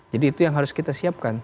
jadi itu yang harus kita siapkan